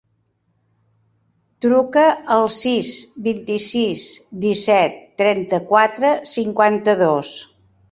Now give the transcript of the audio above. Truca al sis, vint-i-sis, disset, trenta-quatre, cinquanta-dos.